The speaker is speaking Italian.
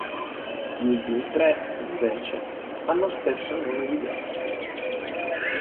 Gli ultimi tre, invece, hanno spesso nomi diversi.